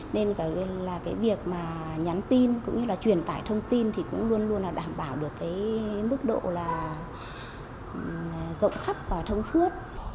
nên là cái việc mà nhắn tin cũng như là truyền tải thông tin thì cũng luôn luôn là đảm bảo được cái mức độ là rộng khắp và thông suốt